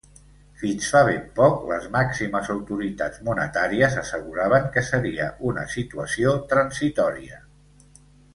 Fins fa ben poc, les màximes autoritats monetàries asseguraven que seria una situació transitòria.